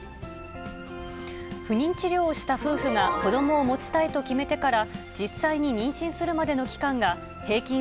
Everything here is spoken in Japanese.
不妊治療をした夫婦が子どもを持ちたいと決めてから、実際に妊娠するまでの期間が平均